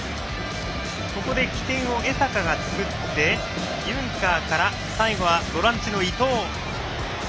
ここで起点を江坂が作ってユンカーから最後はボランチの伊藤。